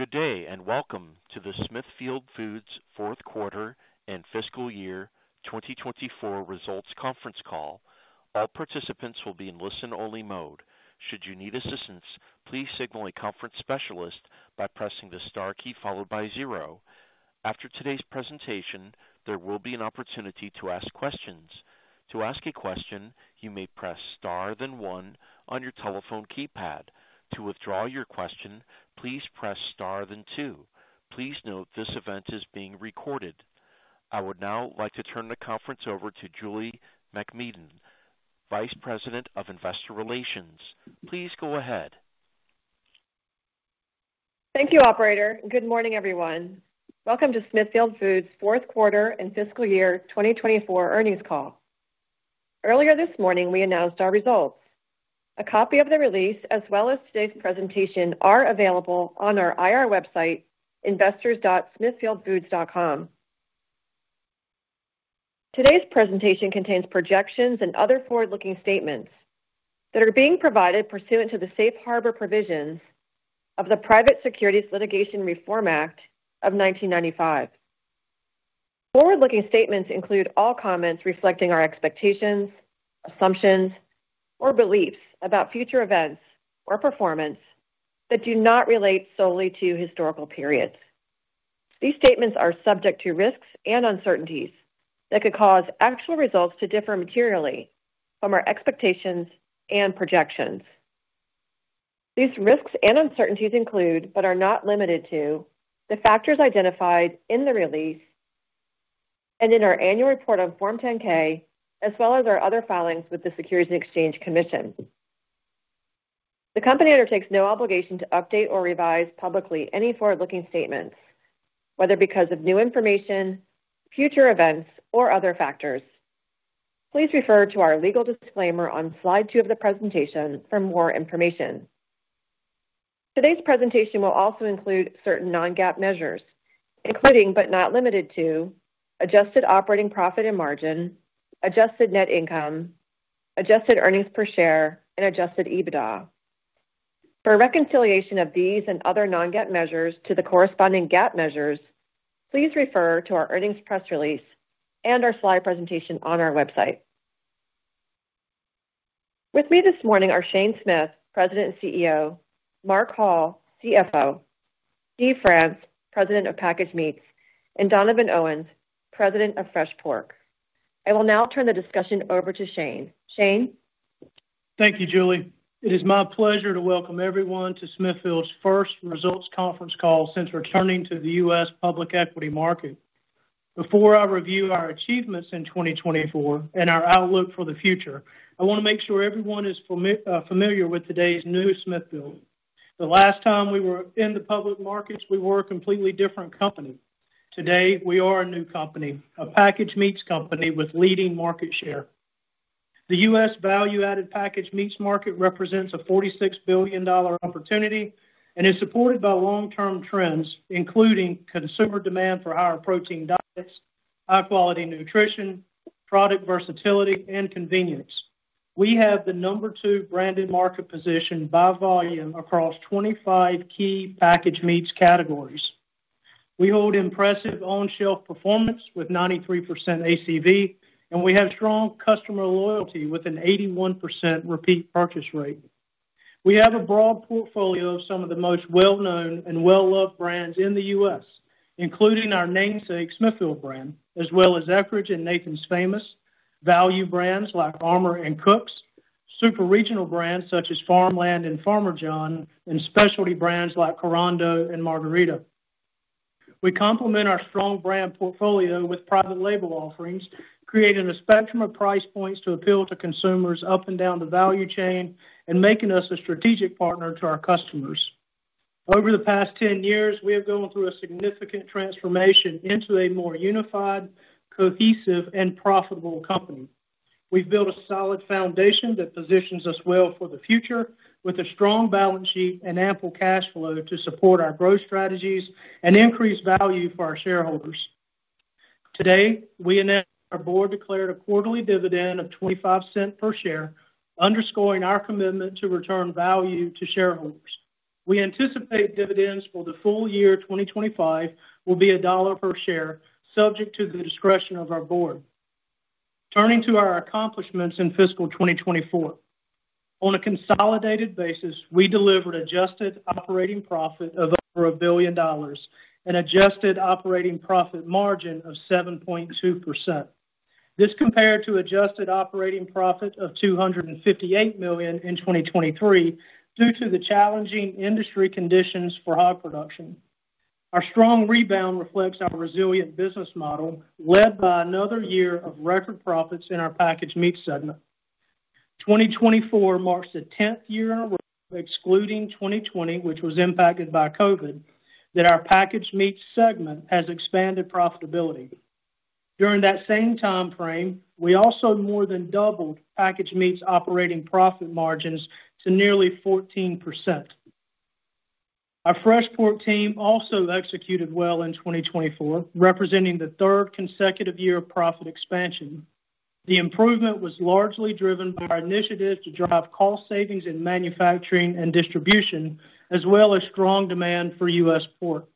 Good day and welcome to the Smithfield Foods Fourth Quarter and Fiscal Year 2024 Results Conference Call. All participants will be in listen only mode. Should you need assistance, please signal a conference specialist by pressing the star key followed by zero. After today's presentation, there will be an opportunity to ask questions. To ask a question, you may press star then one on your telephone keypad. To withdraw your question, please press star then two. Please note this event is being recorded. I would now like to turn the conference over to Julie MacMedan, Vice President of Investor Relations. Please go ahead. Thank you, Operator. Good morning, everyone. Welcome to Smithfield Foods Fourth Quarter and Fiscal Year 2024 Earnings Call. Earlier this morning, we announced our results. A copy of the release as well as today's presentation are available on our IR website, investors.smithfieldfoods.com. Today's presentation contains projections and other forward-looking statements that are being provided pursuant to the safe harbor provisions of the Private Securities Litigation Reform Act of 1995. Forward looking statements include all comments reflecting our expectations, assumptions, or beliefs about future events or performance that do not relate solely to historical periods. These statements are subject to risks and uncertainties that could cause actual results to differ materially from our expectations and projections. These risks and uncertainties include, but are not limited to, the factors identified in the release and in our Annual Report on Form 10-K, as well as our other filings with the Securities and Exchange Commission. The company undertakes no obligation to update or revise publicly any forward-looking statements, whether because of new information, future events or other factors. Please refer to our legal disclaimer on slide two of the presentation for more information. Today's presentation will also include certain non-GAAP measures, including, but not limited to, adjusted operating profit and margin, adjusted net income, adjusted earnings per share and adjusted EBITDA. For a reconciliation of these and other non-GAAP measures to the corresponding GAAP measures, please refer to our earnings press release and our slide presentation on our website. With me this morning are Shane Smith, President and CEO, Mark Hall, CFO, Steve France, President of Packaged Meats, and Donovan Owens, President of Fresh Pork. I will now turn the discussion over to Shane. Shane? Thank you, Julie. It is my pleasure to welcome everyone to Smithfield's first results conference call since returning to the U.S. public equity market. Before I review our achievements in 2024 and our outlook for the future, I want to make sure everyone is familiar with today's new Smithfield. The last time we were in the public markets, we were a completely different company. Today we are a new company, a Packaged Meats company with leading market share. The U.S. value-added Packaged Meats market represents a $46 billion opportunity and is supported by long-term trends including consumer demand for higher protein diets, high quality nutrition, product versatility and convenience. We have the number two branded market position by volume across 25 key Packaged Meats categories. We hold impressive on-shelf performance with 93% ACV and we have strong customer loyalty with an 81% repeat purchase rate. We have a broad portfolio of some of the most well-known and well-loved brands in the U.S. including our namesake Smithfield brand as well as Eckrich and Nathan's Famous, value brands like Armour and Cook's, super regional brands such as Farmland and Farmer John, and specialty brands like Carando and Margherita. We complement our strong brand portfolio with private label offerings, creating a spectrum of price points to appeal to consumers up and down the value chain and making us a strategic partner to our customers. Over the past 10 years we have gone through a significant transformation into a more unified, cohesive and profitable company. We've built a solid foundation that positions us well for the future with a strong balance sheet and ample cash flow to support our growth strategies and increase value for our shareholders. Today we announced our Board declared a quarterly dividend of $0.25 per share, underscoring our commitment to return value to shareholders. We anticipate dividends for the full year 2025 will be $1 per share subject to the discretion of our Board. Turning to our accomplishments in fiscal 2024 on a consolidated basis, we delivered adjusted operating profit of over $1 billion and adjusted operating profit margin of 7.2%. This compared to adjusted operating profit of $258 million in 2023 due to the challenging industry conditions for Hog Production. Our strong rebound reflects our resilient business model led by another year of record profits in our Packaged Meats segment. 2024 marks the 10th year in a row excluding 2020 which was impacted by COVID that our Packaged Meats segment has expanded profitability. During that same time frame we also more than doubled Packaged Meats operating profit margins to nearly 14%. Our Fresh Pork team also executed well in 2024, representing the third consecutive year of profit expansion. The improvement was largely driven by our initiatives to drive cost savings in manufacturing and distribution as well as strong demand for U.S. Pork.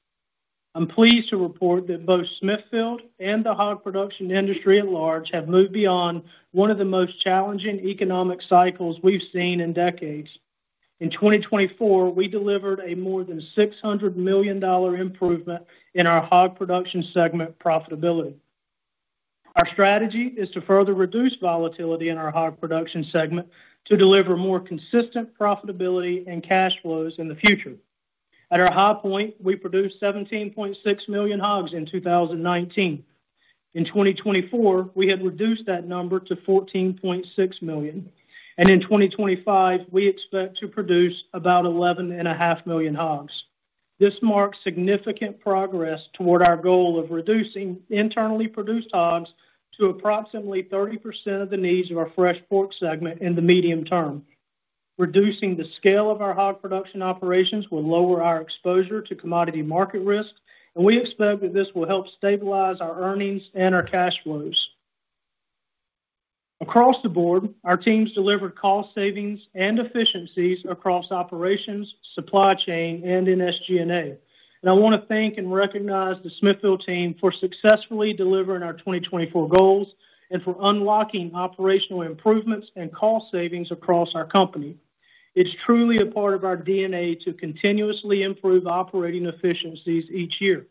I'm pleased to report that both Smithfield and the Hog Production industry at large have moved beyond one of the most challenging economic cycles we've seen in decades. In 2024, we delivered a more than $600 million improvement in our Hog Production segment profitability. Our strategy is to further reduce volatility in our Hog Production segment to deliver more consistent profitability and cash flows in the future. At our high point, we produced 17.6 million hogs in 2019. In 2024. we have reduced that number to 14.6 million and in 2025, we expect to produce about 11.5 million hogs. This marks significant progress toward our goal of reducing internally-produced hogs to approximately 30% of the needs of our Fresh Pork segment. In the medium-term, reducing the scale of our Hog Production operations will lower our exposure to commodity market risk and we expect that this will help stabilize our earnings and our cash flows. Across the board, our teams delivered cost savings and efficiencies across operations, supply chain and in SG&A and I want to thank and recognize the Smithfield team for successfully delivering our 2024 goals and for unlocking operational improvements and cost savings across our company. It's truly a part of our DNA to continuously improve operating efficiencies each year.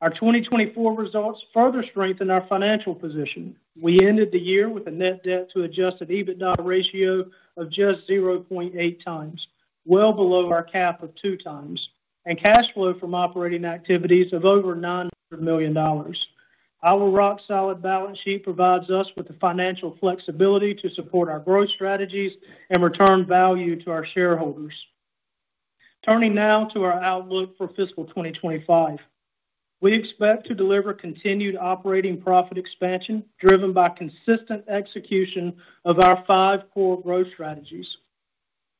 Our 2024 results further strengthen our financial position. We ended the year with a net debt to adjusted EBITDA ratio of just 0.8x, well below our cap of 2x, and cash flow from operating activities of over $900 million. Our rock solid balance sheet provides us with the financial flexibility to support our growth strategies and return value to our shareholders. Turning now to our outlook for fiscal 2025, we expect to deliver continued operating profit expansion driven by consistent execution of our five core growth strategies.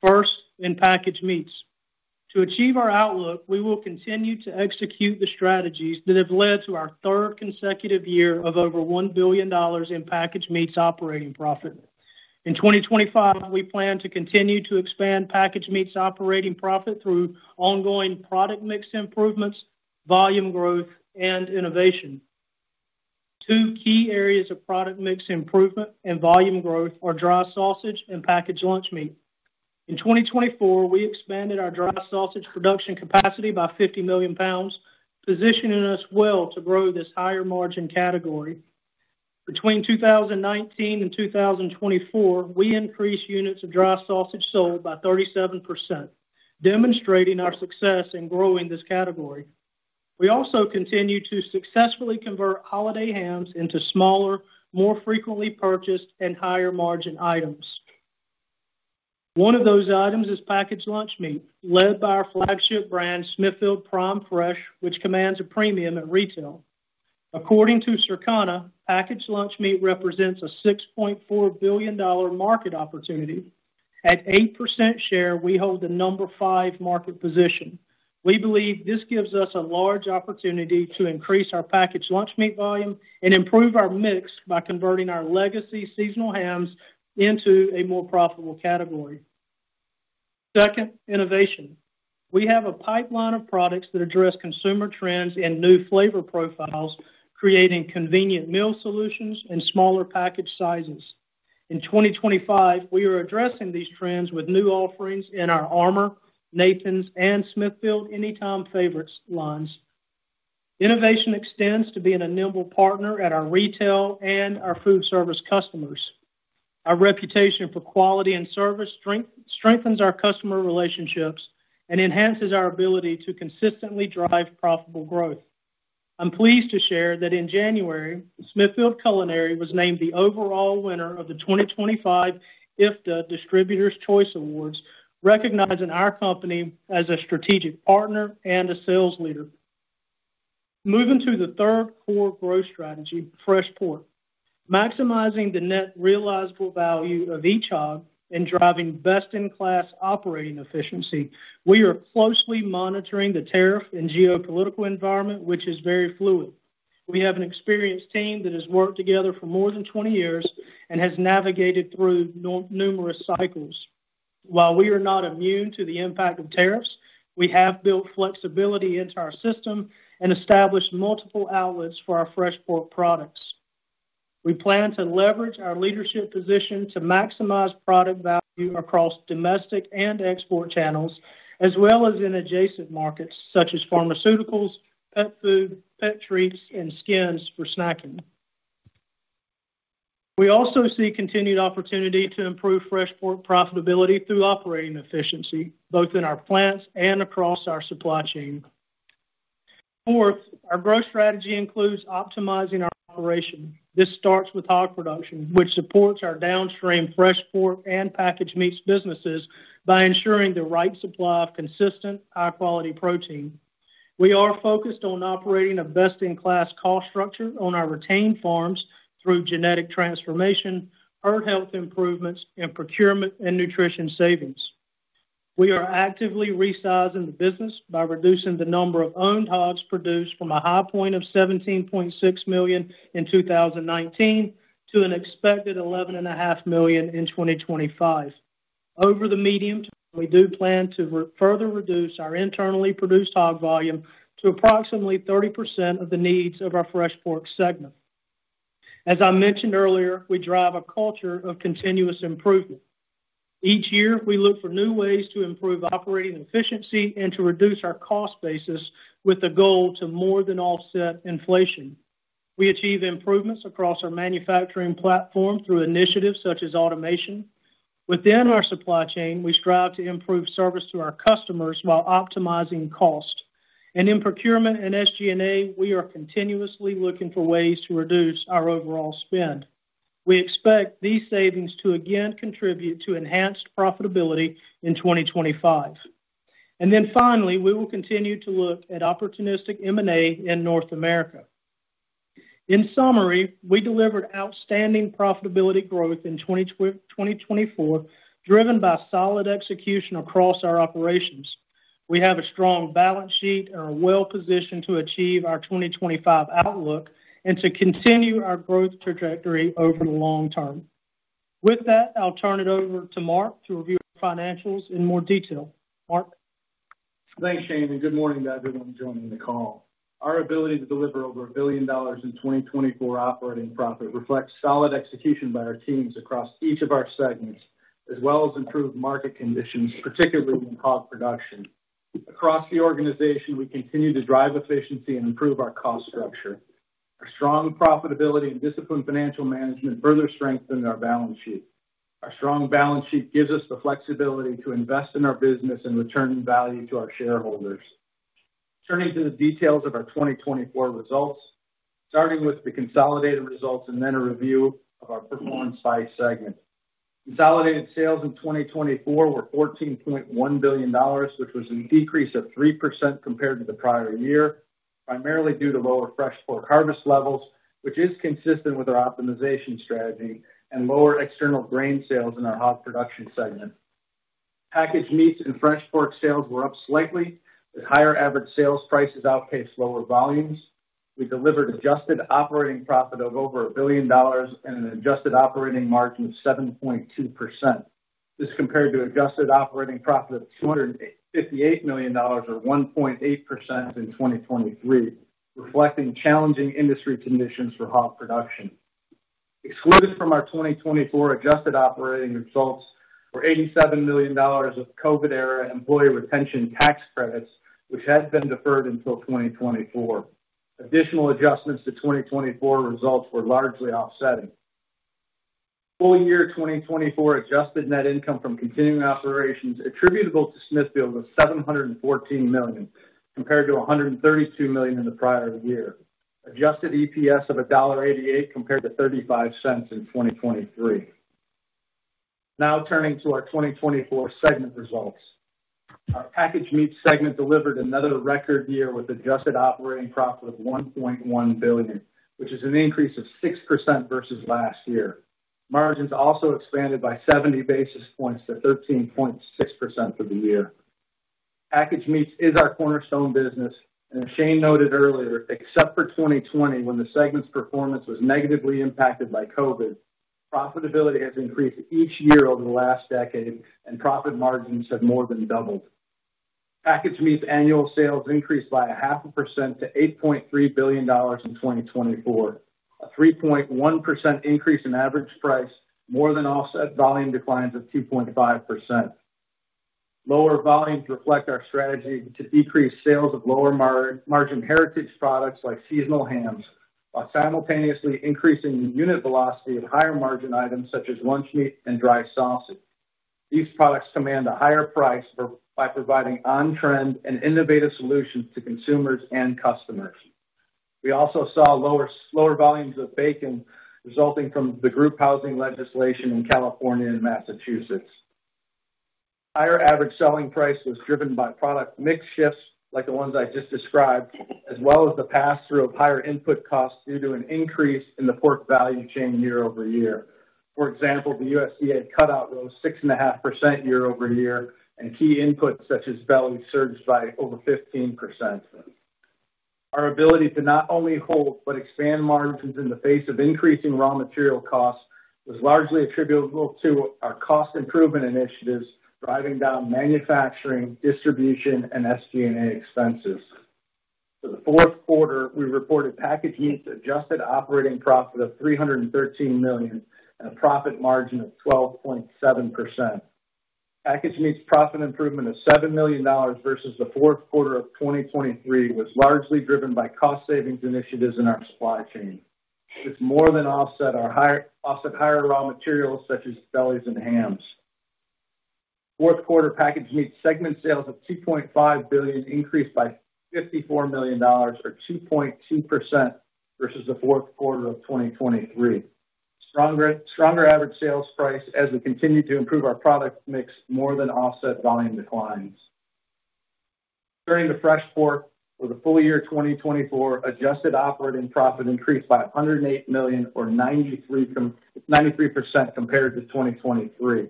First, in Packaged Meats to achieve our outlook, we will continue to execute the strategies that have led to our third consecutive year of over $1 billion in Packaged Meats operating profit. In 2025, we plan to continue to expand Packaged Meats operating profit through ongoing product mix improvements, volume growth and innovation. Two key areas of product mix improvement and volume growth are dry sausage and packaged lunch meat. In 2024, we expanded our dry sausage production capacity by $50 million, positioning us well to grow this higher margin category. Between 2019 and 2024, we increased units of dry sausage sold by 37%, demonstrating our success in growing this category. We also continue to successfully convert holiday hams into smaller, more frequently purchased and higher margin items. One of those items is packaged lunch meat, led by our flagship brand Smithfield Prime Fresh, which commands a premium at retail. According to Circana, packaged lunch meat represents a $6.4 billion market opportunity. At 8% share, we hold the number five market position. We believe this gives us a large opportunity to increase our packaged lunch meat volume and improve our mix by converting our legacy seasonal hams into a more profitable category. Second, innovation. We have a pipeline of products that address consumer trends and new flavor profiles, creating convenient meal solutions and smaller package sizes. In 2025, we are addressing these trends with new offerings in our Armour, Nathan's, and Smithfield Anytime Favorites lines. Innovation extends to being a nimble partner at our retail and our foodservice customers. Our reputation for quality and service strengthens our customer relationships and enhances our ability to consistently drive profitable growth. I'm pleased to share that in January, Smithfield Culinary was named the overall winner of the 2025 IFDA Distributor's Choice Awards, recognizing our company as a strategic partner and a sales leader. Moving to the third core growth strategy, Fresh Pork. Maximizing the net realizable value of each hog and driving best-in-class operating efficiency. We are closely monitoring the tariff and geopolitical environment, which is very fluid. We have an experienced team that has worked together for more than 20 years and has navigated through numerous cycles. While we are not immune to the impact of tariffs, we have built flexibility into our system and established multiple outlets for our Fresh Pork products. We plan to leverage our leadership position to maximize product value across domestic and export channels as well as in adjacent markets such as pharmaceuticals, pet food, pet treats and skins for snacking. We also see continued opportunity to improve Fresh Pork profitability through operating efficiency both in our plants and across our supply chain. Fourth, our growth strategy includes optimizing our operation. This starts with Hog Production which supports our downstream Fresh Pork and Packaged Meats businesses by ensuring the right supply of consistent high quality protein. We are focused on operating a best-in-class cost structure on our retained farms through genetic transformation, herd health improvements, and procurement and nutrition savings. We are actively resizing the business by reducing the number of owned hogs produced from a high point of 17.6 million in 2019 to an expected 11.5 million in 2025. Over the medium term, we do plan to further reduce our internally-produced hog volume to approximately 30% of the needs of our Fresh Pork segment. As I mentioned earlier, we drive a culture of continuous improvement. Each year we look for new ways to improve operating efficiency and to reduce our cost basis with the goal to more than offset inflation. We achieve improvements across our manufacturing platform through initiatives such as automation. Within our supply chain, we strive to improve service to our customers while optimizing cost and in procurement and SG&A we are continuously looking for ways to reduce our overall spend. We expect these savings to again contribute to enhanced profitability in 2025 and then finally we will continue to look at opportunistic M&A in North America. In summary, we delivered outstanding profitability growth in 2024 driven by solid execution across our operations. We have a strong balance sheet and are well-positioned to achieve our 2025 outlook and to continue our growth trajectory over the long-term. With that, I'll turn it over to Mark to review our financials in more detail. Mark? Thanks, Shane, and good morning to everyone joining the call. Our ability to deliver over a billion dollars in 2024 operating profit reflects solid execution by our teams across each of our segments as well as improved market conditions, particularly in Hog Production. across the organization, we continue to drive efficiency and improve our cost structure. Our strong profitability and disciplined financial management further strengthened our balance sheet. Our strong balance sheet gives us the flexibility to invest in our business and return value to our shareholders. Turning to the details of our 2024 results, starting with the consolidated results and then a review of our performance by segment. Consolidated sales in 2024 were $14.1 billion, which was a decrease of 3% compared to the prior year, primarily due to lower Fresh Pork harvest levels, which is consistent with our optimization strategy and lower external grain sales in our Hog Production segment. Packaged Meats and Fresh Pork sales were up slightly as higher average sales prices outpaced lower volumes. We delivered adjusted operating profit of over $1 billion and an adjusted operating margin of 7.2%. This compared to adjusted operating profit of $258 million, or 1.8% in 2023, reflecting challenging industry conditions for Hog Production. Excluded from our 2024 adjusted operating results were $87 million of COVID era employee retention tax credits, which had been deferred until 2024. Additional adjustments to 2024 results were largely offsetting. Full year 2024 adjusted net income from continuing operations attributable to Smithfield was $714 million compared to $132 million in the prior year. Adjusted EPS of $1.88 compared to $0.35 in 2023. Now turning to our 2024 segment results, our Packaged Meats segment delivered another record year with adjusted operating profit of $1.1 billion, which is an increase of 6% versus last year. Margins also expanded by 70 basis points to 13.6% for the year. Packaged Meats is our cornerstone business and as Shane noted earlier, except for 2020 when the segment's performance was negatively impacted by COVID, profitability has increased each year over the last decade and profit margins have more than doubled. Packaged Meats' annual sales increased by 0.5% to $8.3 billion in 2024, a 3.1% increase in average price more than offset volume declines of 2.5%. Lower volumes reflect our strategy to decrease sales of lower margin heritage products like seasonal hams while simultaneously increasing unit velocity of higher margin items such as lunch meat and dry sausage. These products command a higher price by providing on trend and innovative solutions to consumers and customers. We also saw lower volumes of bacon resulting from the group housing legislation in California and Massachusetts. Higher average selling price was driven by product mix shifts like the ones I just described as well as the pass through of higher input costs due to an increase in the pork value chain year-over-year. For example, the USDA cutout rose 6.5% year-over-year and key inputs such as deli surged by over 15%. Our ability to not only hold but expand margins in the face of increasing raw material costs was largely attributable to our cost improvement initiatives driving down manufacturing, distribution and SG&A expenses. For the fourth quarter we reported Packaged Meats adjusted operating profit of $313 million and a profit margin of 12.7%. Packaged Meats profit improvement of $7 million versus the fourth quarter of 2023 was largely driven by cost savings initiatives in our supply chain. This more than offset our higher raw materials such as delis and hams. Fourth quarter Packaged Meats segment sales of $2.5 billion increased by $54 million or 2.2% versus the fourth quarter of 2023. Stronger average sales price as we continue to improve our product mix more than offset volume declines. Turning to Fresh Pork, for the full year 2024, adjusted operating profit increased by $108 million or 93.93% compared to 2023.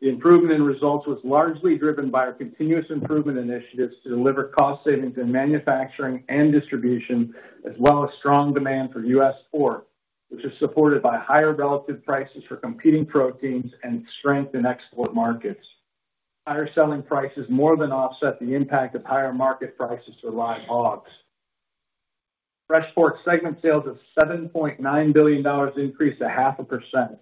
The improvement in results was largely driven by our continuous improvement initiatives to deliver cost savings in manufacturing and distribution as well as strong demand for U.S. Pork, which is supported by higher relative prices for competing proteins and strength in export markets. Higher selling prices more than offset the impact of higher market prices for live hogs. Fresh Pork segment sales of $7.9 billion increased 0.5%.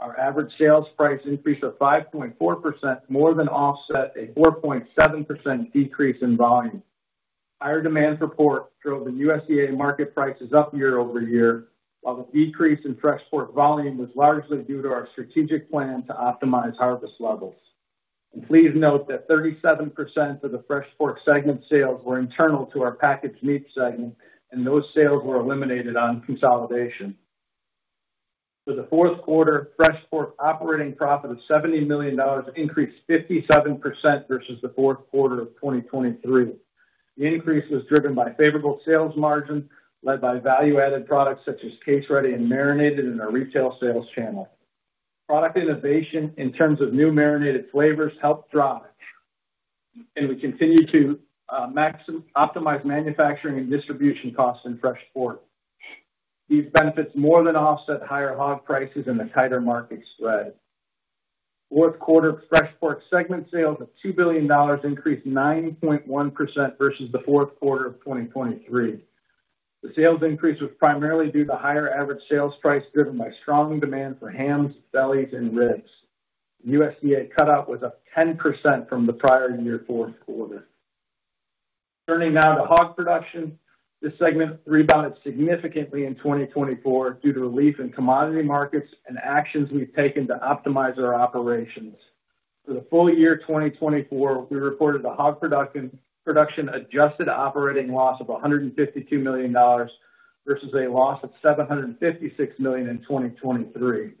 Our average sales price increase of 5.4% more than offset a 4.7% decrease in volume. Higher demand for pork drove the USDA market prices up year-over-year while the decrease in Fresh Pork volume was largely due to our strategic plan to optimize harvest levels. Please note that 37% of the Fresh Pork segment sales were internal to our Packaged Meats segment and those sales were eliminated on consolidation. For the fourth quarter, Fresh Pork operating profit of $70 million increased 57% versus the fourth quarter of 2023. The increase was driven by favorable sales margin led by value-added products such as case ready and marinated in our retail sales channel. Product innovation in terms of new marinated flavors helped drive and we continue to optimize manufacturing and distribution costs in Fresh Pork. These benefits more than offset higher hog prices and the tighter market spread. Fourth quarter Fresh Pork segment sales of $2 billion increased 9.1% versus the fourth quarter of 2023. The sales increase was primarily due to higher average sales price driven by strong demand for hams, delis, and ribs. USDA cutout was up 10% from the prior year fourth quarter. Turning now to Hog Production, this segment rebounded significantly in 2024 due to relief in commodity markets and actions we have taken to optimize our operations. For the full year 2024, we reported the Hog Production adjusted operating loss of $152 million versus a loss of $756 million in 2023.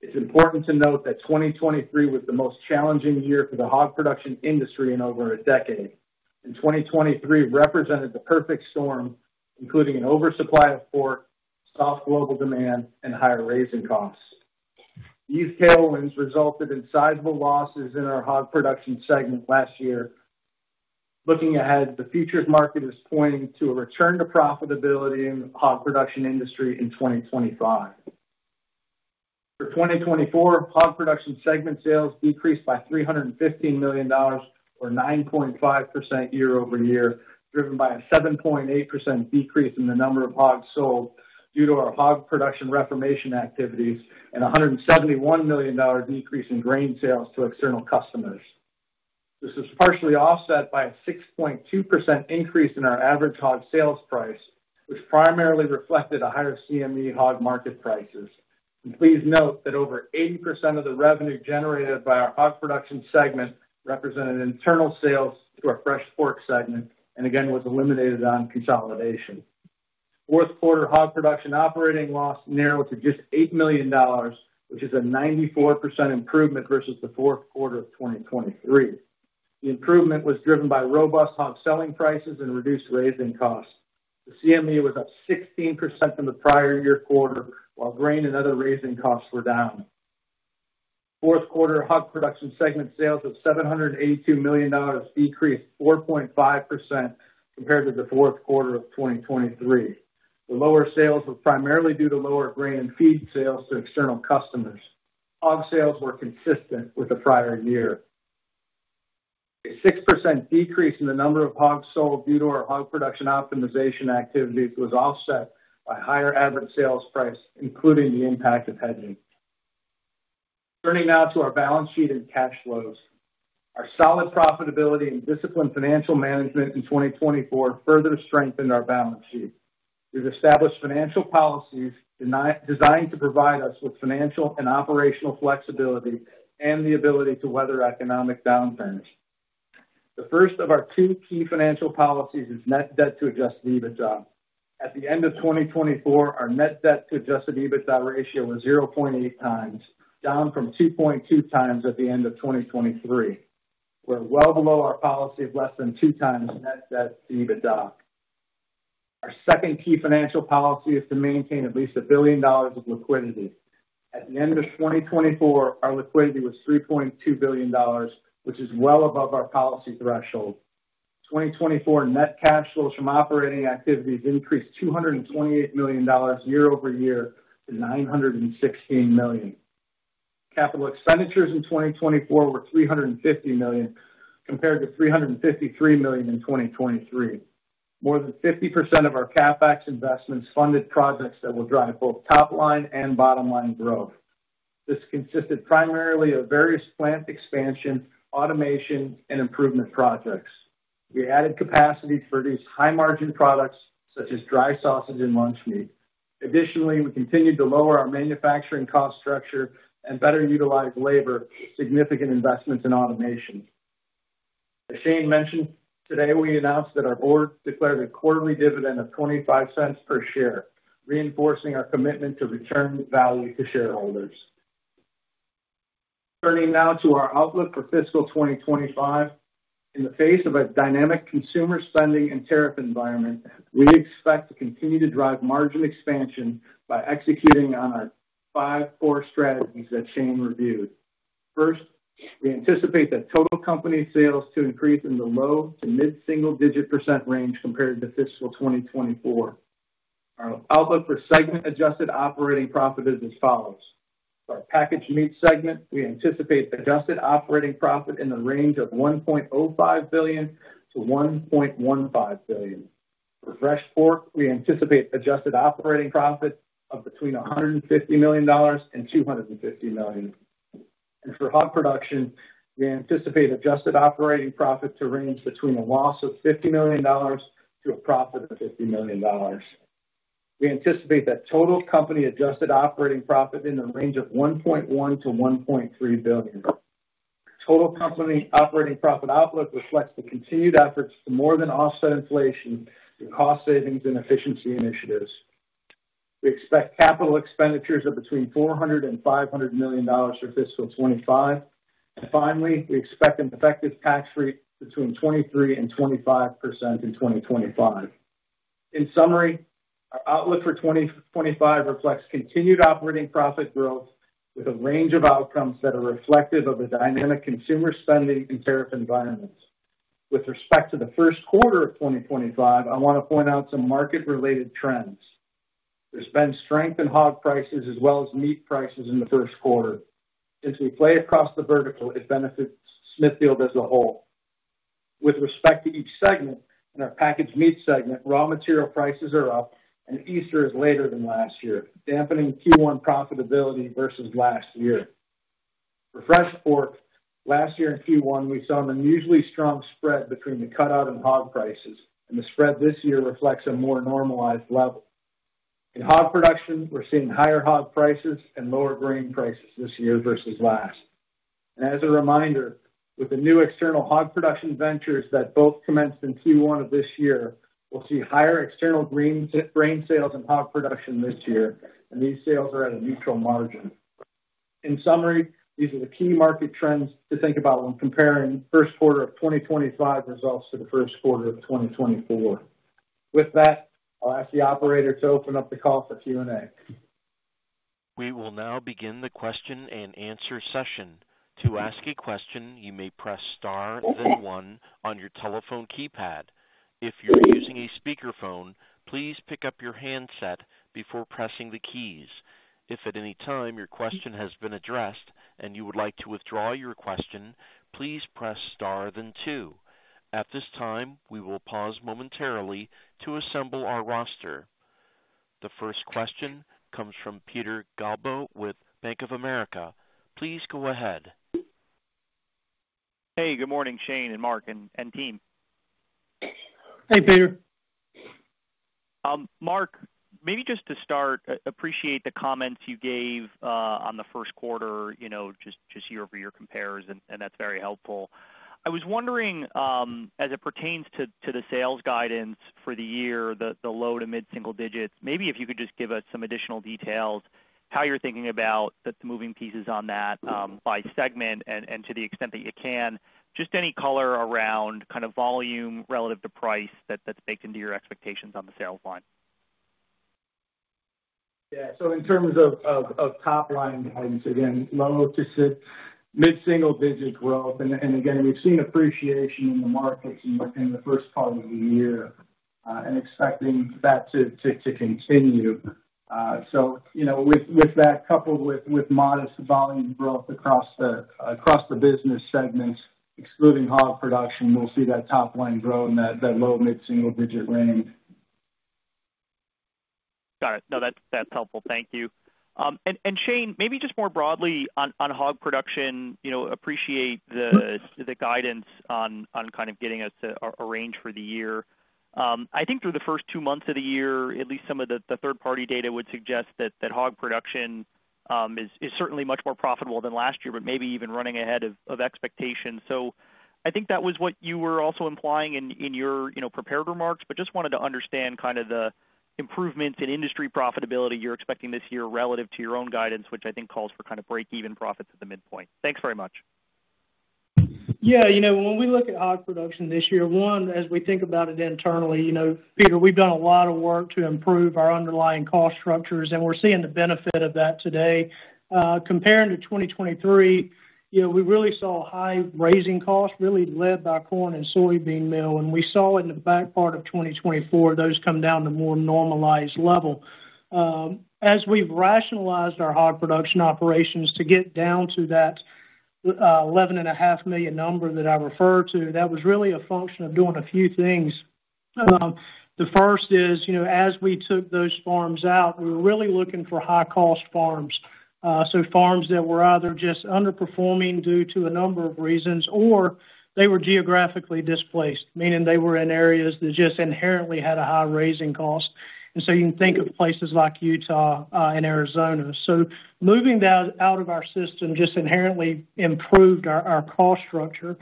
It's important to note that 2023 was the most challenging year for the Hog Production industry in over a decade and 2023 represented the perfect storm including an oversupply of pork, soft global demand and higher raising costs. These tailwinds resulted in sizable losses in our Hog Production segment last year. Looking ahead, the futures market is pointing to a return to profitability in the Hog Production industry in 2025. For 2024, hog production segment sales decreased by $315 million or 9.5% year-over-year driven by a 7.8% decrease in the number of hogs sold due to our Hog Production reformation activities and $171 million decrease in grain sales to external customers. This is partially offset by a 6.2% increase in our average hog sales price which primarily reflected higher CME hog market prices. Please note that over 80% of the revenue generated by our Hog Production segment represented internal sales to our Fresh Pork segment and again was eliminated on consolidation. Fourth quarter Hog Production operating loss narrowed to just $8 million, which is a 94% improvement versus the fourth quarter of 2023. The improvement was driven by robust hog selling prices and reduced raising costs. The CME was up 16% from the prior year quarter, while grain and other raising costs were down. Fourth quarter Hog Production segment sales of $782 million decreased 4.5% compared to the fourth quarter of 2023. The lower sales were primarily due to lower grain and feed sales to external customers. Hog sales were consistent with the prior year. A 6% decrease in the number of hogs sold due to our Hog Production optimization activities was offset by higher average sales price, including the impact of hedging. Turning now to our balance sheet and cash flows, our solid profitability and disciplined financial management in 2024 further strengthened our balance sheet. We've established financial policies designed to provide us with financial and operational flexibility and the ability to weather economic downturns. The first of our two key financial policies is net debt to adjusted EBITDA. At the end of 2024, our net debt to adjusted EBITDA ratio was 0.8x, down from 2.2x at the end of 2023. We're well below our policy of less than 2x net debt to EBITDA. Our second key financial policy is to maintain at least a billion dollars of liquidity. At the end of 2024, our liquidity was $3.2 billion, which is well above our policy threshold. 2024 net cash flows from operating activities increased $228 million year-over-year to $916 million. Capital expenditures in 2024 were $350 million compared to $353 million in 2023. More than 50% of our CapEx investments funded projects that will drive both top-line and bottom-line growth. This consisted primarily of various plant expansion, automation and improvement projects. We added capacity to produce high margin products such as dry sausage and lunch meat. Additionally, we continued to lower our manufacturing cost structure and better utilize labor significant investments in automation. As Shane mentioned, today we announced that our Board declared a quarterly dividend of $0.25 per share, reinforcing our commitment to return value to shareholders. Turning now to our outlook for fiscal 2025 in the face of a dynamic consumer spending and tariff environment, we expect to continue to drive margin expansion by executing on our five core strategies that Shane reviewed. First, we anticipate that total company sales to increase in the low to mid single-digit % range compared to fiscal 2024. Our outlook for segment adjusted operating profit is as follows. Our Packaged Meats segment, we anticipate adjusted operating profit in the range of $1.05 billion-$1.15 billion. For Fresh Pork, we anticipate adjusted operating profit of between $150 million and $250 million. For Hog Production, we anticipate adjusted operating profit to range between a loss of $50 million to a profit of $50 million. We anticipate that total company adjusted operating profit in the range of $1.1 billion-$1.3 billion. Total company operating profit outlook reflects the continued efforts to more than offset inflation, cost savings and efficiency initiatives. We expect capital expenditures of between $400 million and $500 million for fiscal 2025, and finally, we expect an effective tax rate between 23%-25% in 2025. In summary, our outlook for 2025 reflects continued operating profit growth with a range of outcomes that are reflective of the dynamic consumer spending and tariff environments. With respect to the first quarter of 2025, I want to point out some market related trends. There's been strength in hog prices as well as meat prices in the first quarter. As we play across the vertical, it benefits Smithfield as a whole. With respect to each segment, in our Packaged Meats segment, raw material prices are up and Easter is later than last year, dampening Q1 profitability versus last year. For Fresh Pork, last year in Q1 we saw an unusually strong spread between the cutout and hog prices and the spread this year reflects a more normalized level. In Hog Production, we're seeing higher hog prices and lower grain prices this year versus last. As a reminder, with the new external Hog Production ventures that both commenced in Q1 of this year, we'll see higher external grain sales and Hog Production this year, and these sales are at a neutral margin. In summary, these are the key market trends to think about when comparing first quarter of 2025 results to the first quarter of 2024. With that, I'll ask the operator to open up the call for Q&A. We will now begin the question-and-answer session. To ask a question, you may press star then one on your telephone keypad. If you're using a speakerphone, please pick up your handset before pressing the keys. If at any time your question has been addressed and you would like to withdraw your question, please press star then two. At this time, we will pause momentarily to assemble our roster. The first question comes from Peter Galbo with Bank of America. Please go ahead. Hey good morning Shane and Mark and team. Hey Peter. Mark, maybe just to start, appreciate the comments you gave on the first quarter just year-over-year compares and that's very helpful. I was wondering as it pertains to the sales guidance for the year, the low to mid single-digits. Maybe if you could just give us some additional details how you're thinking about moving pieces on that by segment and to the extent that you can, just any color around kind of volume relative to price that's baked into your expectations on the sales line. Yeah, so in terms of top-line, again, low to mid single-digit growth and again we've seen appreciation in the markets in the first part of the year and expecting that to continue. So you know, with that coupled with modest volume growth across the business segments, excluding Hog Production, we'll see that top-line grow in that low mid single-digit range. Got it. No, that's helpful, thank you. Shane, maybe just more broadly on Hog Production, appreciate the guidance on kind of getting us arranged for the year. I think through the first two months of the year at least some of the third-party data would suggest that Hog Production is certainly much more profitable than last year, maybe even running ahead of expectations. I think that was what you were also implying in your prepared remarks. I just wanted to understand kind of the improvements in industry profitability you are expecting this year relative to your own guidance, which I think calls for kind of breakeven profits at the midpoint. Thanks very much. Yeah. You know, when we look at Hog Production this year, one, as we think about it internally, you know Peter, we've done a lot of work to improve our underlying cost structures and we're seeing the benefit of that today. Comparing to 2023, you know, we really saw high-raising costs really led by corn and soybean meal. And we saw in the back part of 2024 those come down to more normalized level as we've rationalized our Hog Production operations to get down to that 11.5 million number that I refer to. That was really a function of doing a few things. The first is, you know, as we took those farms out, we were really looking for high-cost farms. Farms that were either just underperforming due to a number of reasons or they were geographically displaced, meaning they were in areas that just inherently had a high-raising cost. You can think of places like Utah and Arizona. Moving that out of our system just inherently improved our cost structure.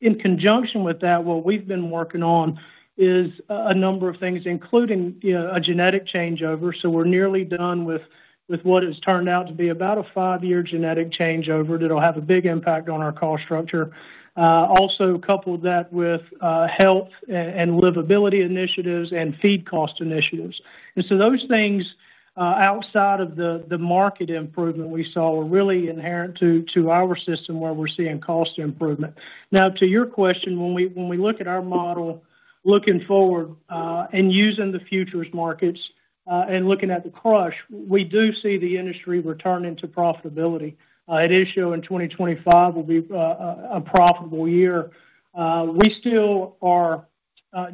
In conjunction with that, what we've been working on is a number of things including a genetic changeover. We're nearly done with what has turned out to be about a five-year genetic changeover that'll have a big impact on our cost structure. Also coupled that with health and livability initiatives and feed cost initiatives. Those things outside of the market improvement we saw were really inherent to our system where we're seeing cost improvement. Now to your question, when we look at our model, looking forward and using the future's markets and looking at the crush, we do see the industry returning to profitability at issue in 2025 will be a profitable year. We still are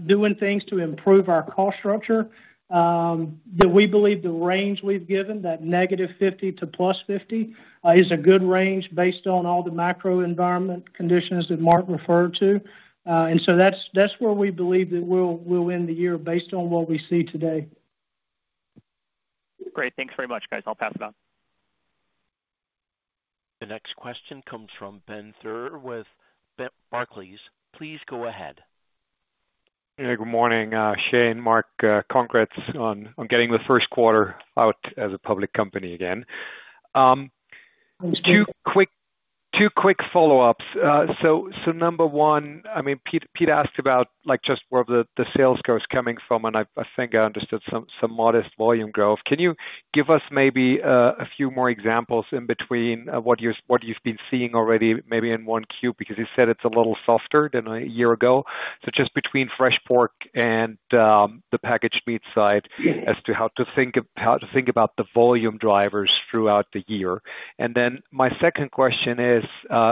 doing things to improve our cost structure. We believe the range we've given that negative 50 to plus 50 is a good range based on all the macro environment conditions that Mark referred to. That is where we believe that we'll end the year based on what we see today. Great. Thanks very much, guys. I'll pass it on. The next question comes from Ben Theurer with Barclays. Please go ahead. Good morning, Shane. Mark, congrats on getting the first quarter out as a public company again, two quick follow ups. Number one, I mean Pete asked about just where the sales growth is coming from and I think I understood some modest volume growth. Can you give us maybe a few more examples in between what you've been seeing already? Maybe in 1Q because you said it's a little softer than a year ago, such as between Fresh Pork and the Packaged Meat side, as to how to think about the volume drivers throughout the year. My second question is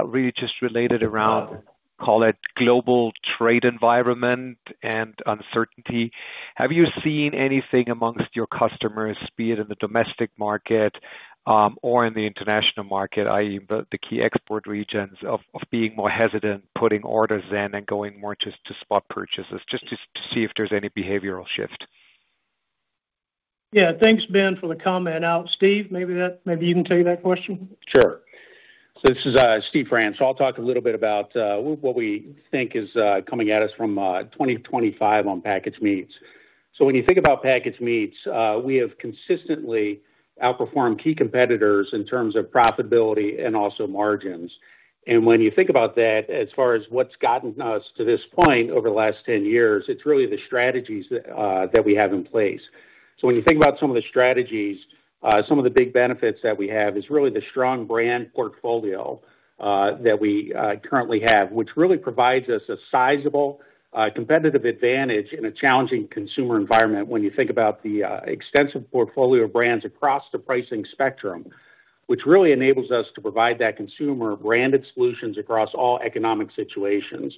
really just related around, call it, global trade environment and uncertainty. Have you seen anything amongst your customers, be it in the domestic market or in the international market that is the key export regions of being more hesitant, putting orders in and going more just to spot purchases, just to see if there's any behavioral shift? Yeah, thanks Ben for the comment out. Steve, maybe you can take that question. Sure. This is Steve France. I'll talk a little bit about what we think is coming at us from 2025 on Packaged Meats. When you think about Packaged Meats, we have consistently outperformed key competitors in terms of profitability and also margins. When you think about that, as far as what's gotten us to this point over the last 10 years, it's really the strategies that we have in place. When you think about some of the strategies, some of the big benefits that we have is really the strong brand portfolio that we currently have, which really provides us a sizable competitive advantage in a challenging consumer environment. When you think about the extensive portfolio of brands across the pricing spectrum, which really enables us to provide that consumer-branded solutions across all economic situations.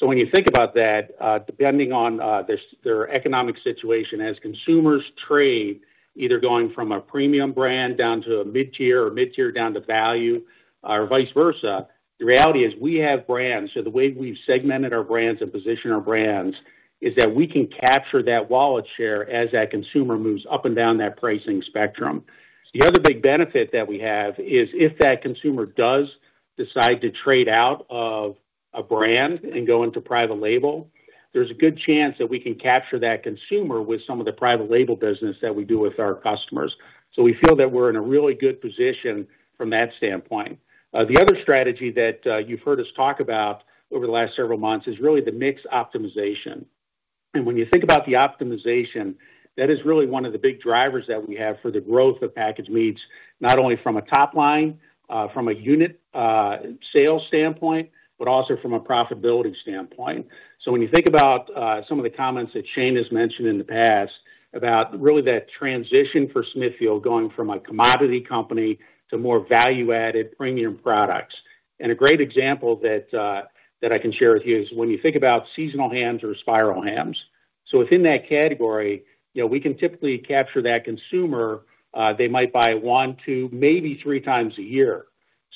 When you think about that, depending on their economic situation, as consumers trade either going from a premium brand down to a mid-tier or mid-tier down to value or vice versa, the reality is we have brands. The way we've segmented our brands and positioned our brands is that we can capture that wallet share as that consumer moves up and down that pricing spectrum. The other big benefit that we have is if that consumer does decide to trade out of a brand and go into private label, there's a good chance that we can capture that consumer with some of the private label business that we do with our customers. We feel that we're in a really good position from that standpoint. The other strategy that you've heard us talk about over the last several months is really the mix optimization. When you think about the optimization, that is really one of the big drivers that we have for the growth of Packaged Meats, not only from a top-line, from a unit sales standpoint, but also from a profitability standpoint. When you think about some of the comments that Shane has mentioned in the past about really that transition for Smithfield going from a commodity company to more value-added premium products, a great example that I can share with you is when you think about seasonal hams or spiral hams. Within that category, we can typically capture that consumer; they might buy one, two, maybe three times a year.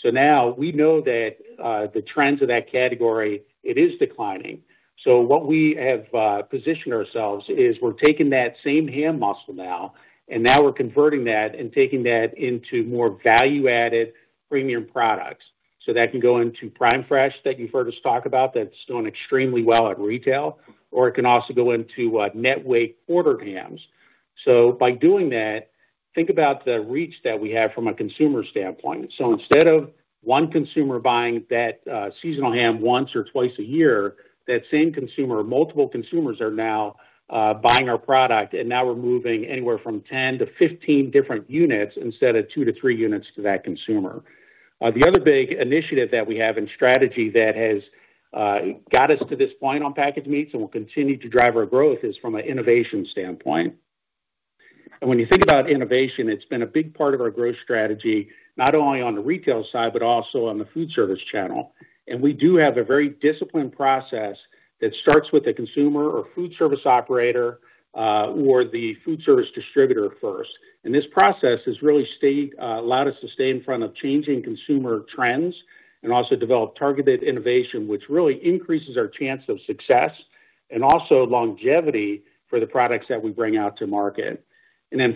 Now we know that the trends of that category, it is declining. What we have positioned ourselves is we're taking that same hand muscle now, and now we're converting that and taking that into more value-added premium products. That can go into Prime Fresh that you've heard us talk about, that's doing extremely well at retail, or it can also go into net weight quartered hams. By doing that, think about the reach that we have from a consumer standpoint. Instead of one consumer buying that seasonal ham once or twice a year, that same consumer, multiple consumers, are now buying our product. Now we're moving anywhere from 10-15 different units instead of two to three units to that consumer. The other big initiative that we have in strategy that has got us to this point on Packaged Meats and will continue to drive our growth is from an innovation standpoint. When you think about innovation, it's been a big part of our growth strategy, not only on the retail side, but also on the foodservice channel. We do have a very disciplined process that starts with the consumer or foodservice operator or the foodservice distributor first. This process has really allowed us to stay in front of changing consumer trends and also develop targeted innovation, which really increases our chance of success and also longevity for the products that we bring out to market.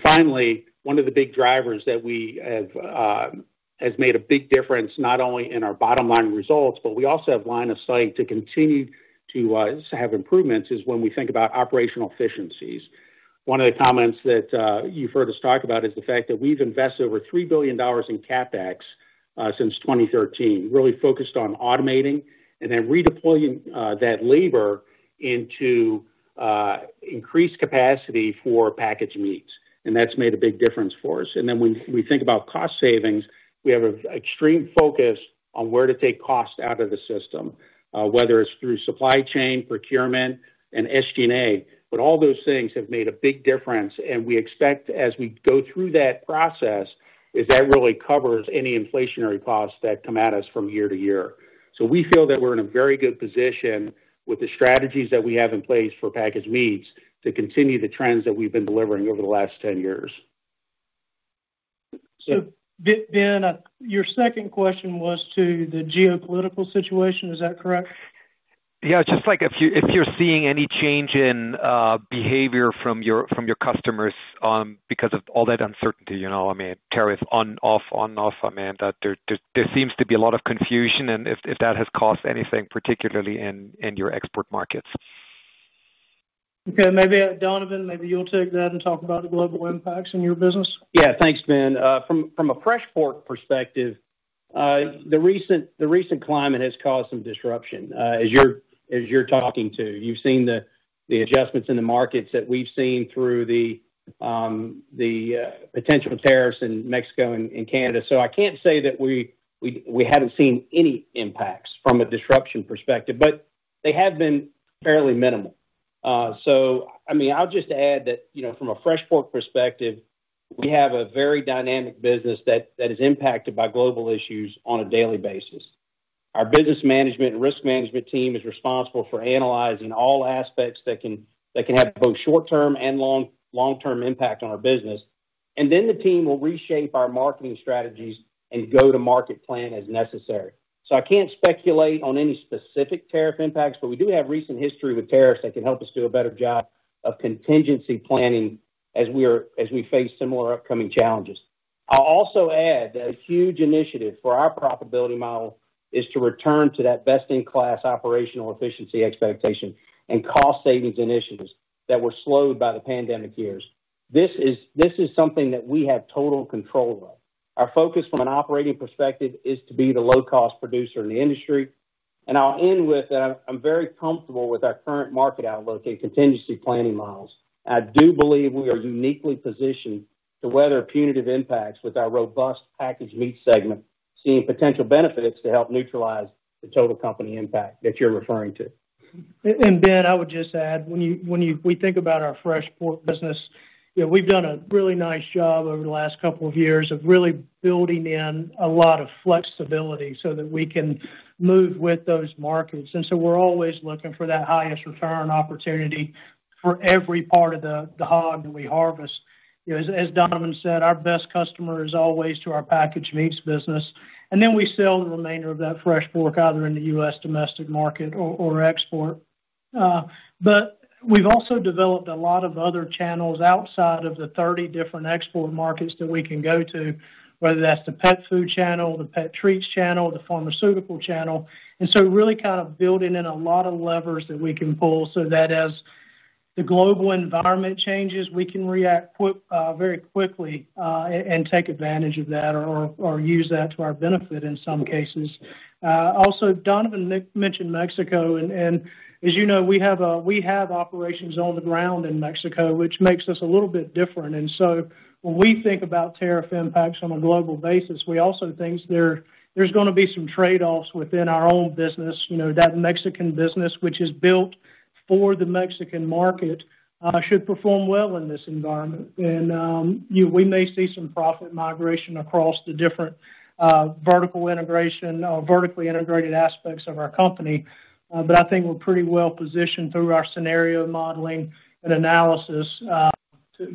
Finally, one of the big drivers that we have, has made a big difference not only in our bottom-line results, but we also have line of sight to continue to have improvements is when we think about operational efficiencies. One of the comments that you've heard us talk about is the fact that we've invested over $3 billion in CapEx since 2013, really focused on automating and then redeploying that labor into increased capacity for Packaged Meats. That has made a big difference for us. When we think about cost savings, we have an extreme focus on where to take cost out of the system, whether it's through supply chain procurement and SG&A. All those things have made a big difference and we expect as we go through that process that really covers any inflationary costs that come at us from year to year. We feel that we're in a very good position with the strategies that we have in place for Packaged Meats to continue the trends that we've been delivering over the last 10 years. Ben, your second question was to the geopolitical situation, is that correct? Yeah. Just like if you're seeing any change in behavior from your customers because of all that uncertainty, you know, I mean tariff on off, on off. I mean there seems to be a lot of confusion and if that has caused anything, particularly in your export markets. Okay, maybe Donovan, maybe you'll take that and talk about the global impacts in your business. Yeah, thanks Ben. From a Fresh Pork perspective, the recent climate has caused some disruption. As you're talking to, you've seen the adjustments in the markets that we've seen through the potential tariffs in Mexico and Canada. I can't say that we haven't seen any impacts from a disruption perspective but they have been fairly minimal. I mean, I'll just add that, you know, from a Fresh Pork perspective, we have a very dynamic business that is impacted by global issues on a daily basis. Our business management, risk management team is responsible for analyzing all aspects that can have both short-term and long-term impact on our business and then the team will reshape our marketing strategies and go-to-market plan as necessary. I can't speculate on any specific tariff impacts, but we do have recent history with tariffs that can help us do a better job of contingency planning as we face similar upcoming challenges. I'll also add a huge initiative for our profitability model is to return to that best-in-class operational efficiency expectation and cost-savings initiatives that were slowed by the pandemic years. This is something that we have total control of. Our focus from an operating perspective is to be the low cost producer in the industry and I'll end with that. I'm very comfortable with our current market outlook and contingency planning models. I do believe we are uniquely positioned to weather punitive impacts with our robust Packaged Meats segment seeing potential benefits to help neutralize the total company impact that you're referring to. Ben, I would just add when you, when we think about our Fresh Pork business, you know, we've done a really nice job over the last couple of years of really building in a lot of flexibility so that we can move with those markets. We are always looking for that highest return opportunity for every part of the hog that we harvest. As Donovan said, our best customer is always to our Packaged Meats business. We sell the remainder of that Fresh Pork either in the U.S. domestic market or export. We have also developed a lot of other channels outside of the 30 different export markets that we can go to, whether that's the pet food channel, the pet treats channel, the pharmaceutical channel. Really kind of building in a lot of levers that we can pull so that as the global environment changes, we can react very quickly and take advantage of that or use that to our benefit in some cases. Also, Donovan mentioned Mexico and as you know, we have operations on the ground in Mexico, which makes us a little bit different. When we think about tariff impacts on a global basis, we also think there's going to be some trade-offs within our own business. That Mexican business, which is built for the Mexican market, should perform well in this environment. We may see some profit migration across the different vertical integration, vertically integrated aspects of our company. I think we're pretty well positioned through our scenario modeling and analysis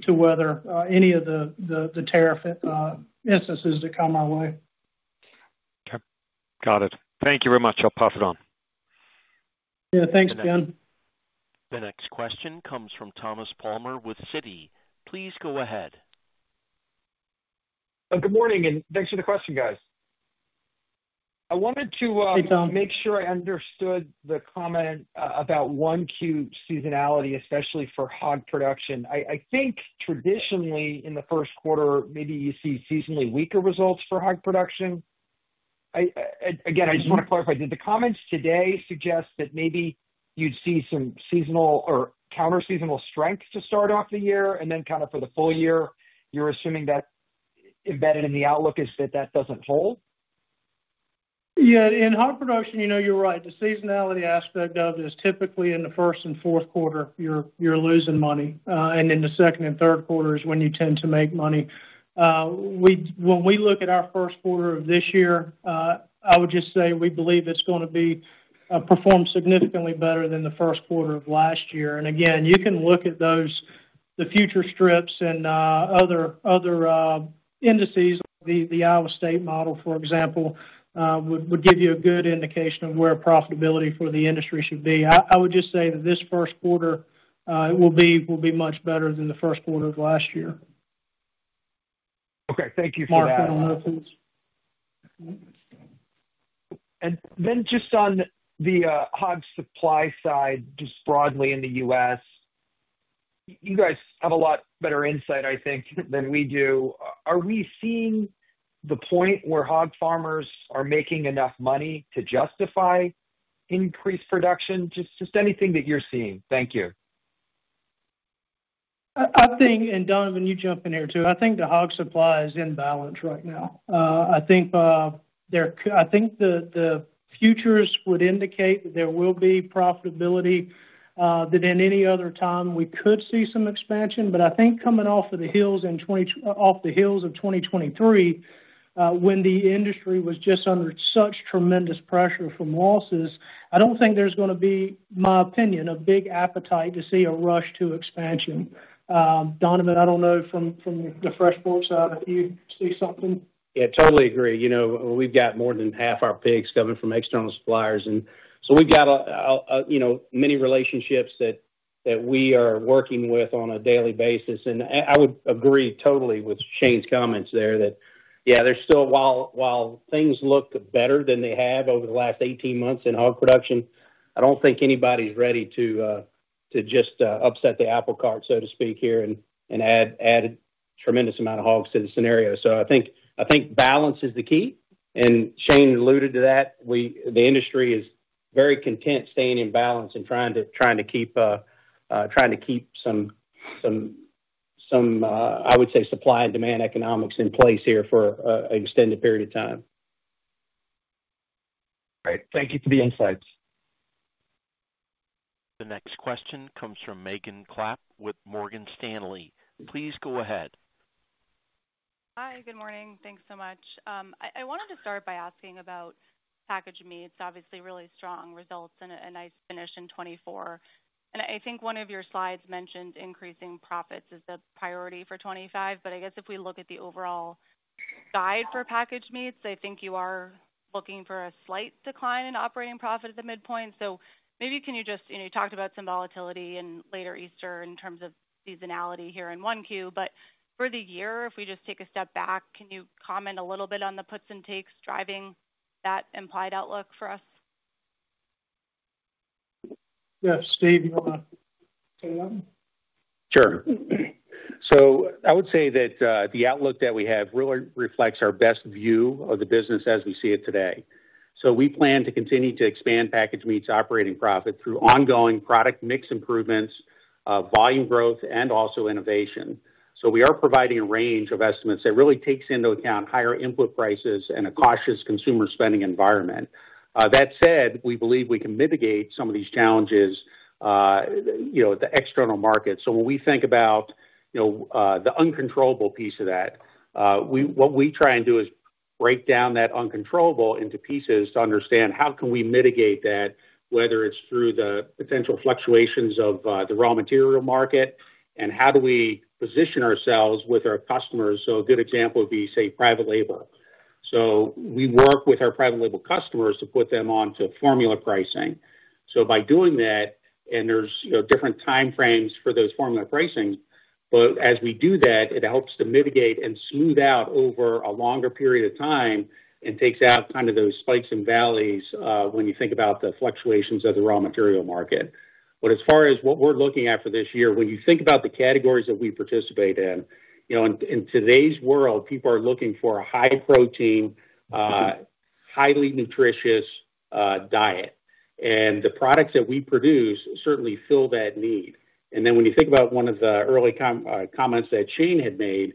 to weather any of the tariff instances that come our way. Got it. Thank you very much. I'll pass it on. Yeah, thanks, Ben. The next question comes from Thomas Palmer with Citi. Please go ahead. Good morning and thanks for the question, guys. I wanted to make sure I understood the comment about 1Q seasonality, especially for Hog Production. I think, traditionally, in the first quarter, maybe you see seasonally weaker results for Hog Production. Again, I just want to clarify, did the comments today suggest that maybe you'd see some seasonal or counter seasonal strength to start off the year and then kind of for the full year? You're assuming that embedded in the outlook is that that doesn't hold. Yeah. In Hog Production, you know, you're right. The seasonality aspect of it is typically in the first and fourth quarter you're losing money and in the second and third quarter is when you tend to make money. When we look at our first quarter of this year, I would just say we believe it's going to be performed significantly better than the first quarter of last year. You can look at those, the future strips and other indices, the Iowa State model, for example, would give you a good indication of where profitability for the industry should be. I would just say that this first quarter will be much better than the first quarter of last year. Okay, thank you for that, Mark. Just on the hog supply side, just broadly in the U.S., you guys have a lot better insight, I think, than we do. Are we seeing the point where hog farmers are making enough money to justify increased production? Just anything that you're seeing. Thank you. I think. Donovan, you jump in here too. I think the hog supply is in balance right now. I think the futures would indicate that there will be profitability, that in any other time we could see some expansion. I think coming off of the hills in 2023, when the industry was just under such tremendous pressure from losses, I do not think there is going to be, my opinion, a big appetite to see a rush to expansion. Donovan, I do not know. From the Fresh Pork side, if you see something. Yeah, totally agree. You know, we've got more than half our pigs coming from external suppliers and so we've got many relationships that we are working with on a daily basis. I would agree totally with Shane's comments there that, yeah, there's still, while things look better than they have over the last 18 months in Hog Production, I don't think anybody's ready to just upset the apple cart, so to speak, here and add a tremendous amount of hogs to the scenario. I think balance is the key. Shane alluded to that the industry is very content staying in balance and trying to keep some, I would say, supply and demand economics in place here for an extended period of time. Thank you for the insights. The next question comes from Megan Clapp with Morgan Stanley. Please go ahead. Hi, good morning. Thanks so much. I wanted to start by asking about Packaged Meats. Obviously really strong results and a nice finish in 2024. I think one of your slides mentioned increasing profits as the priority for 2025. I guess if we look at the overall guide for Packaged Meats, I think you are looking for a slight decline in operating profit at the midpoint. You talked about some volatility in later Easter in terms of seasonality here in 1Q. For the year, if we just take a step back, can you comment a little bit on the puts and takes driving that implied outlook for us? Yes, Steve, you want to? Sure. I would say that the outlook that we have really reflects our best view of the business as we see it today. We plan to continue to expand Packaged Meats operating profit through ongoing product mix improvements, volume growth and also innovation. We are providing a range of estimates that really takes into account higher input prices and a cautious consumer spending environment. That said, we believe we can mitigate some of these challenges. You know, the external market. When we think about, you know, the uncontrollable piece of that, what we try and do is break down that uncontrollable into pieces to understand how can we mitigate that, whether it is through the potential fluctuations of the raw material market and how do we position ourselves with our customers. A good example would be say private label. We work with our private label customers to put them on to formula pricing. By doing that, and there are different timeframes for those formula pricing, as we do that, it helps to mitigate and smooth out over a longer period of time. It takes out kind of those spikes and valleys when you think about the fluctuations of the raw material market. As far as what we're looking at for this year, when you think about the categories that we participate in in today's world, people are looking for a high-protein, highly-nutritious diet and the products that we produce certainly fill that need. When you think about one of the early comments that Shane had made,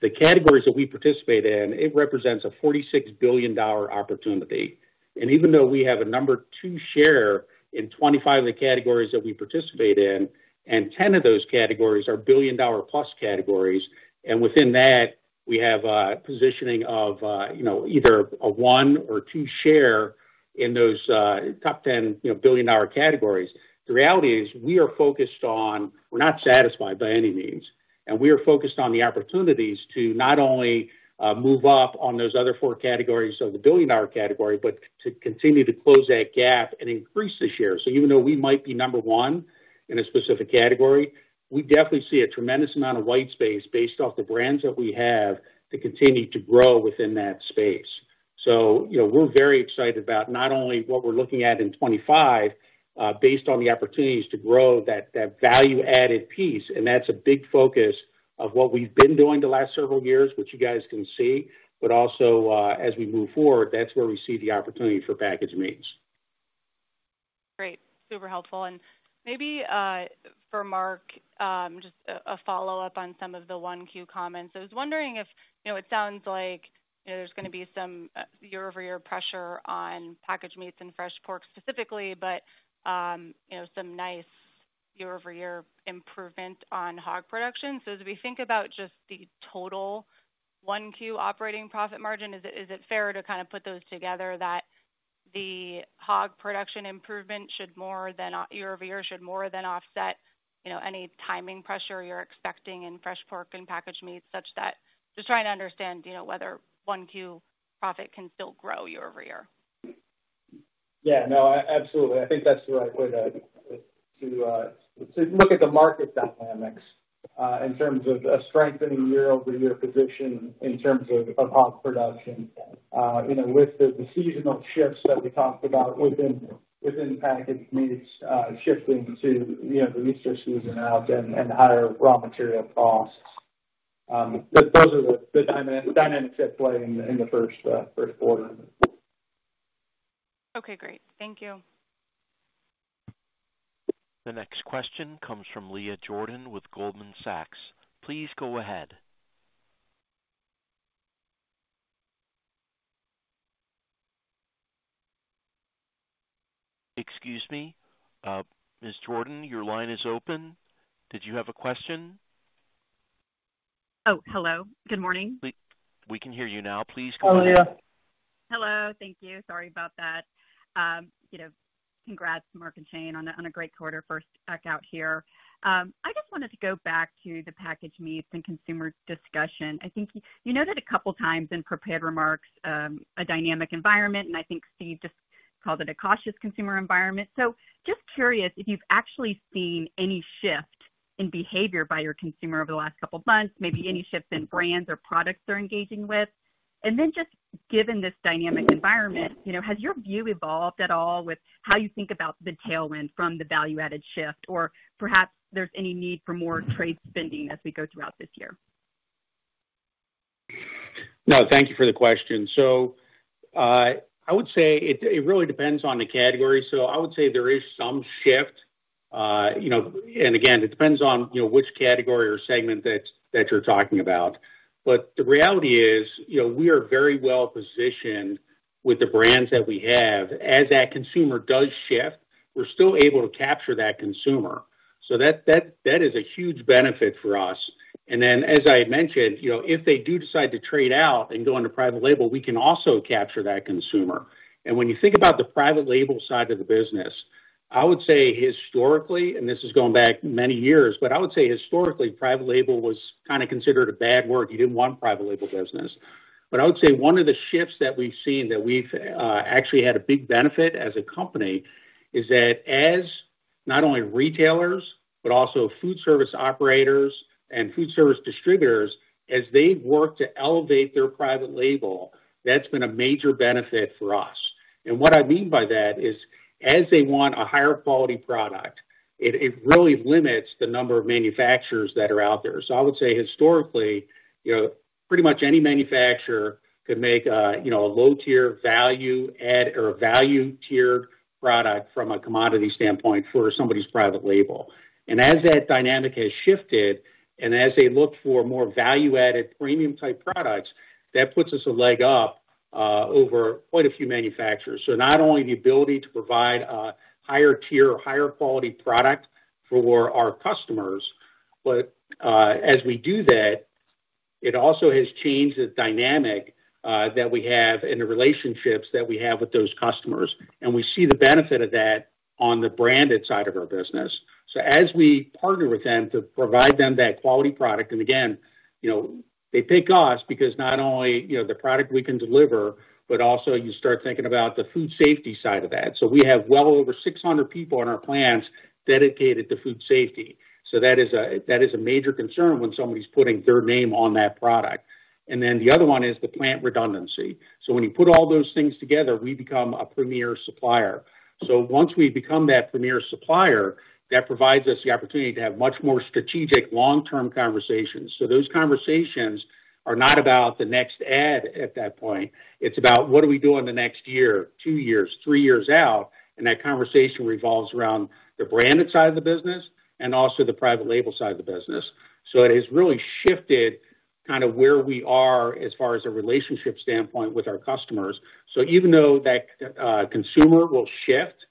the categories that we participate in, it represents a $46 billion opportunity. Even though we have a number two share in 25 of the categories that we participate in and 10 of those categories are billion dollar plus categories. Within that we have positioning of either a one or two share in those top 10 billion dollar categories. The reality is we are focused on, we're not satisfied by any means and we are focused on the opportunities to not only move up on those other four categories of the billion dollar category, but to continue to close that gap and increase the share. Even though we might be number one in a specific category, we definitely see a tremendous amount of white space based off the brands that we have to continue to grow within that space. You know, we're very excited about not only what we're looking at in 2025 based on the opportunities to grow that value-added piece. That's a big focus of what we've been doing the last several years, which you guys can see. Also, as we move forward, that's where we see the opportunity for Packaged Meats. Great, super helpful. Maybe for Mark, just a follow up on some of the 1Q comments. I was wondering if it sounds like there's going to be some year-over-year pressure on Packaged Meats and Fresh Pork specifically, but you know, some nice year-over-year improvement on Hog Production. As we think about just the total 1Q operating profit margin, is it fair to kind of put those together that the Hog Production improvement should more than year-over-year, should more than offset, you know, any timing pressure you're expecting in Fresh Pork and Packaged Meats such that just trying to understand whether 1Q profit can still grow year-over-year. Yeah, no, absolutely. I think that's the right way to look at the market dynamics in terms of strengthening year-over-year position in terms of Hog Production. With the seasonal shifts that we talked about within Packaged Meats, shifting to the Easter season out and higher raw material cost. Those are the dynamics at play in the first quarter. Okay, great. Thank you. The next question comes from Leah Jordan with Goldman Sachs. Please go ahead. Excuse me, Ms. Jordan, your line is open. Did you have a question? Oh, hello, good morning. We can hear you now, please. Hello. Thank you. Sorry about that. You know, congrats Mark and Shane on a great quarter first back out here, I just wanted to go back to the Packaged Meats and consumer discussion. I think you noted a couple times in prepared remarks a dynamic environment. I think Steve discussed called it a cautious consumer environment. Just curious if you've actually seen any shift in behavior by your consumer over the last couple months, maybe any shift in brands or products they're engaging with. Just given this dynamic environment, you know, has your view evolved at all with how you think about the tailwind from the value-added shift or perhaps there's any need for more trade spending as we go throughout this year? No. Thank you for the question. I would say it really depends on the category. I would say there is some shift and again it depends on which category or segment that you're talking about. The reality is we are very well positioned with the brands that we have. As that consumer does shift, we're still able to capture that consumer. That is a huge benefit for us. As I mentioned, if they do decide to trade out and go into private label, we can also capture that consumer. When you think about the private label side of the business, I would say historically, and this is going back many years, but I would say historically, private label was kind of considered a bad word. You did not want private label business. I would say one of the shifts that we've seen that we've actually had a big benefit as a company is that as not only retailers, but also foodservice operators and foodservice distributors as they work to elevate their private label, that's been a major benefit for us. What I mean by that is as they want a higher quality product, it really limits the number of manufacturers that are out there. I would say historically, pretty much any manufacturer could make a low-tier value add or a value-tiered product from a commodity standpoint for somebody's private label. As that dynamic has shifted and as they look for more value-added premium type products, that puts us a leg up over quite a few manufacturers. Not only the ability to provide a higher tier, higher quality product for our customers, but as we do that, it also has changed the dynamic that we have in the relationships that we have with those customers. We see the benefit of that on the branded side of our business. As we partner with them to provide them that quality product, and again, you know, they pick us because not only, you know, the product we can deliver, but also you start thinking about the food safety side of that. We have well over 600 people in our plants dedicated to food safety. That is a major concern when somebody's putting their name on that product and then the other one is the plant redundancy. When you put all those things together, we become a premier supplier. Once we become that premier supplier, that provides us the opportunity to have much more strategic, long-term conversations. Those conversations are not about the next ad at that point, it's about what do we do in the next year, two years, three years out. That conversation revolves around the branded side of the business and also the private label side of the business. It has really shifted kind of where we are as far as a relationship standpoint with our customers. Even though that consumer will shift,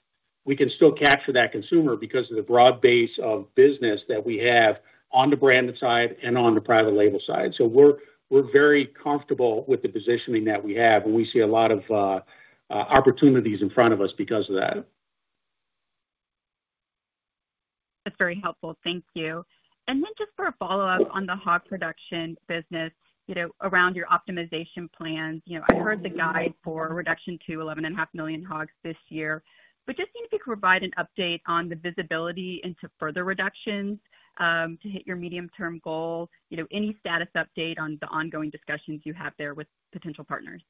we can still capture that consumer because of the broad base of business that we have on the branded side and on the private label side. We're very comfortable with the positioning that we have. We see a lot of opportunities in front of us because of that. That's very helpful, thank you. Just for a follow up on the Hog Production business, you know, around your optimization plans, you know, I heard the guide for reduction to 11.5 million hogs this year. Just seeing if you could provide an update on the visibility into further reductions to hit your medium term goal. You know, any status update on the ongoing discussions you have there with potential partners?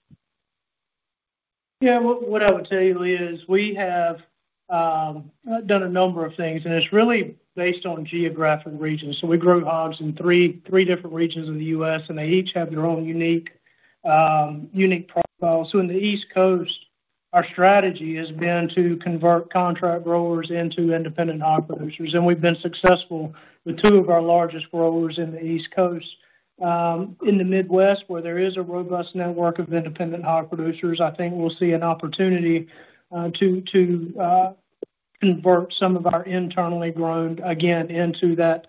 Yeah. What I would say, Leah, is we have done a number of things and it's really based on geographic regions. We grew hogs in three different regions of the U.S. and they each have their own unique profile. In the East Coast, our strategy has been to convert contract growers into independent hog producers. We have been successful with two of our largest growers in the East Coast. In the Midwest, where there is a robust network of independent hog producers, I think we'll see an opportunity to convert some of our internally grown again into that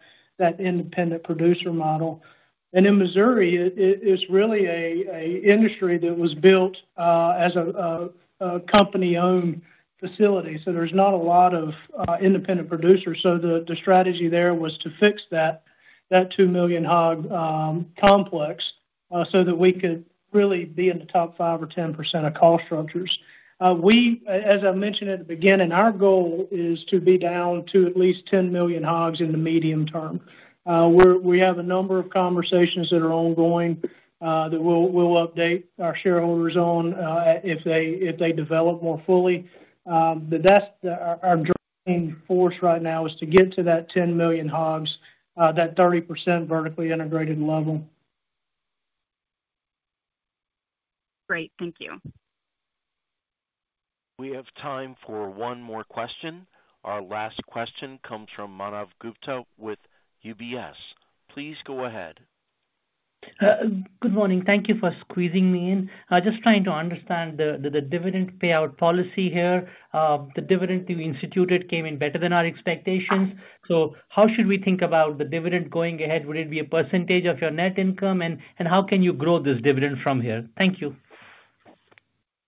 independent producer model. In Missouri, it's really an industry that was built as a company-owned facility, so there's not a lot of independent producers. The strategy there was to fix that 2 million hog complex so that we could really be in the top 5% or 10% of cost structures. We, as I mentioned at the beginning, our goal is to be down to at least 10 million hogs in the medium term. We have a number of conversations that are ongoing that we'll update our shareholders on if they develop more fully. That is our driving force right now, to get to that 10 million hogs, that 30% vertically integrated level. Great, thank you. We have time for one more question. Our last question comes from Manav Gupta with UBS. Please go ahead. Good morning. Thank you for squeezing me in. Just trying to understand the dividend payout policy here. The dividend we instituted came in better than our expectations. How should we think about the dividend going ahead? Would it be a percentage of your net income? How can you grow this dividend from here? Thank you.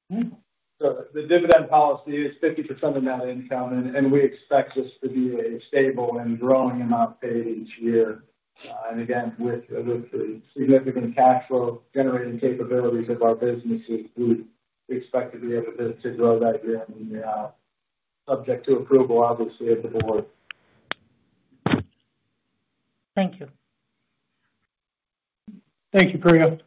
The dividend policy is 50% of net income and we expect this to be a stable and growing amount paid each year. Again, with the significant cash flow generating capabilities of our businesses, we expect to be able to grow that, subject to approval obviously of the Board. Thank you. Thank you for you.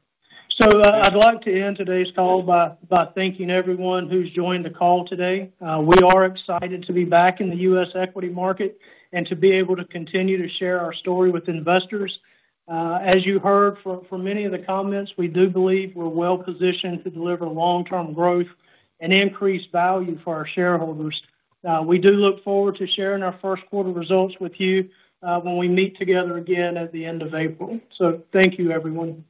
I would like to end today's call by thanking everyone who's joined the call today. We are excited to be back in the U.S. equity market and to be able to continue to share our story with investors. As you heard from many of the comments, we do believe we are well-positioned to deliver long-term growth and increase value for our shareholders. We look forward to sharing our first quarter results with you when we meet together again at the end of April. Thank you, everyone.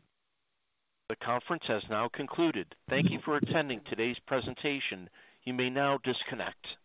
The conference has now concluded. Thank you for attending today's presentation. You may now disconnect.